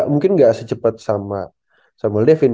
mungkin gak secepet sama samuel devin